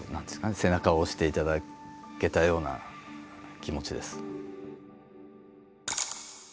背中を押していただけたような気持ちです。